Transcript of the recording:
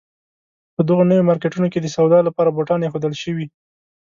په دغو نویو مارکېټونو کې د سودا لپاره بوتان اېښودل شوي.